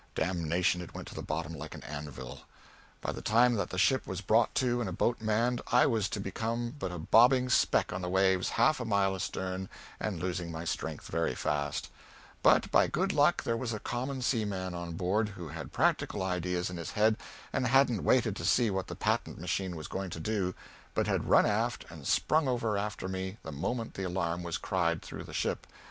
Damnation, it went to the bottom like an anvil! By the time that the ship was brought to and a boat manned, I was become but a bobbing speck on the waves half a mile astern and losing my strength very fast; but by good luck there was a common seaman on board who had practical ideas in his head and hadn't waited to see what the patent machine was going to do, but had run aft and sprung over after me the moment the alarm was cried through the ship.